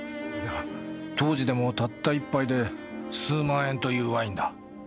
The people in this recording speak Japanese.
当時でもたった１杯で数万円というワインだ。